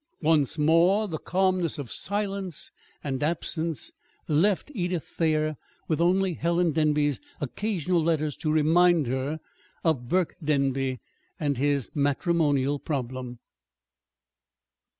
Once more the calmness of silence and absence left Edith Thayer with only Helen Denby's occasional letters to remind her of Burke Denby and his matrimonial problem.